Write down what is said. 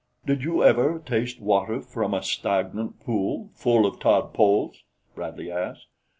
"Did you ever taste water from a stagnant pool full of tadpoles?" Bradley asked.